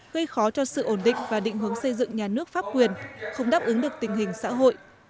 gây khó cho sự ổn định và định hướng xây dựng nhà nước pháp quyền không đáp ứng được tình hình xã hội